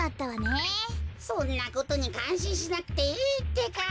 そんなことにかんしんしなくていいってか。